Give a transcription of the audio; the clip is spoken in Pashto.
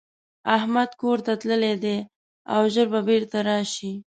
احمدکورته تللی دی او ژر به بيرته راشي.